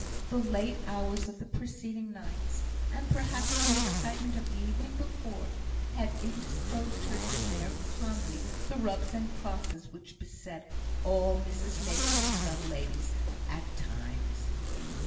The late hours of the preceding nights, and perhaps the excitement of the evening before, had indisposed her to bear calmly the rubs and crosses which beset all Mrs Mason's young ladies at times.